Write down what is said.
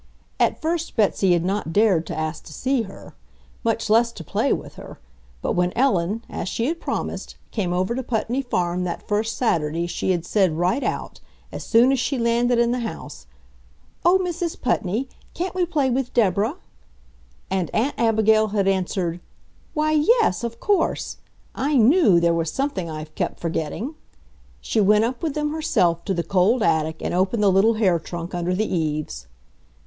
At first Betsy had not dared to ask to see her, much less to play with her, but when Ellen, as she had promised, came over to Putney Farm that first Saturday she had said right out, as soon as she landed in the house, "Oh, Mrs. Putney, can't we play with Deborah?" And Aunt Abigail had answered: "Why YES, of course! I KNEW there was something I've kept forgetting!" She went up with them herself to the cold attic and opened the little hair trunk under the eaves.